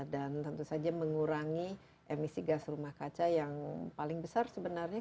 dan tentu saja mengurangi emisi gas rumah kaca yang paling besar sebenarnya